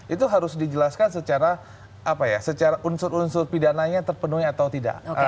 itu harus dijelaskan secara apa ya secara unsur unsur pidananya terpenuhi atau tidak